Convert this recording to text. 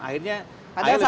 akhirnya air lebih mahal